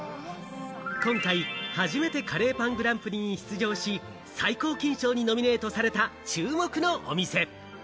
今回、初めてカレーパングランプリに出場し、最高金賞にノミネートされた注目のお店。